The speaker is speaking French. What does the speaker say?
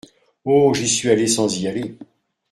Oh ! j'y suis allé sans y aller !